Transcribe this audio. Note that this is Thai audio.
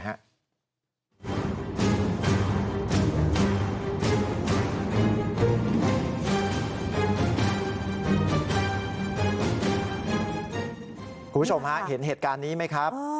คุณผู้ชมฮะเห็นเหตุการณ์นี้ไหมครับ